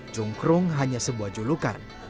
cungkrung hanya sebuah julukan